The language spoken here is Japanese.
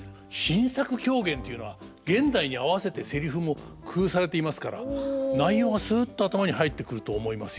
新作狂言というのは現代に合わせてセリフも工夫されていますから内容がすっと頭に入ってくると思いますよ。